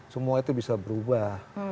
semua itu bisa berubah